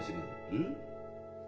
うん？